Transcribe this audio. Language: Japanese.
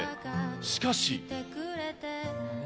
しかし。